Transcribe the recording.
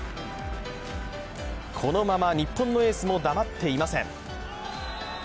このまま日本のエースも黙っていません。